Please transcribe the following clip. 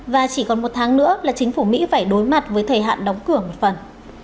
và chỉ còn một tháng nữa là chính phủ mỹ phải đối mặt với thời hạn đóng cửa một phần